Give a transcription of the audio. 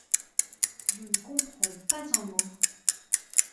Je ne comprends pas un mot.